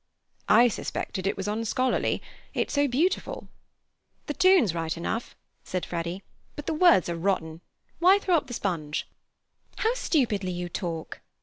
"I suspected it was unscholarly. It's so beautiful." "The tune's right enough," said Freddy, "but the words are rotten. Why throw up the sponge?" "How stupidly you talk!"